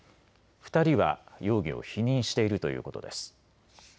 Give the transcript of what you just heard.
２人は容疑を否認しているということです。